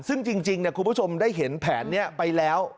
ซึ่งจริงคุณผู้ชมได้เห็นแผนนี้ไปแล้ว